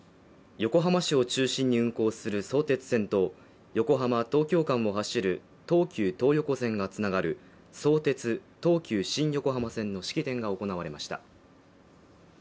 横浜市を中心に運行する相鉄線と横浜−東京間を走る東急東横線がつながる相鉄・東急新横浜線の式典が行われました。